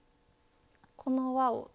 この輪を。